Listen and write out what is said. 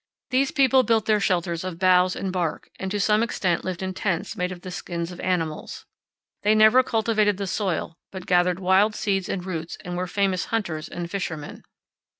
These people built their shelters of boughs and bark, and to some extent lived in tents made of the skins of animals. They never cultivated the soil, but gathered wild seeds and roots and were famous hunters and fishermen.